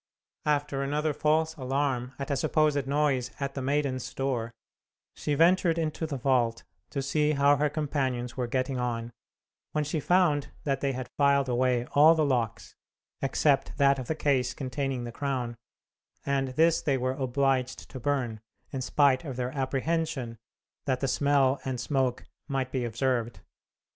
After another false alarm at a supposed noise at the maidens' door, she ventured into the vault to see how her companions were getting on, when she found they had filed away all the locks, except that of the case containing the crown, and this they were obliged to burn, in spite of their apprehension that the smell and smoke might be observed.